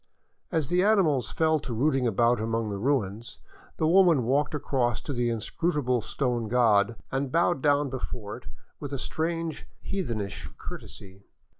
As the animals fell to rooting about among the ruins, the woman walked across to the in scrutable stone god and bowed down before it with a strange, heath enish courtesy.